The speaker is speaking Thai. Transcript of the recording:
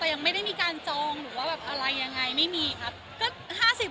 แต่ยังไม่ได้มีการจองหรือว่าแบบอะไรยังไงไม่มีครับ